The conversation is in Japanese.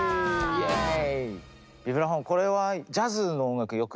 イエーイ！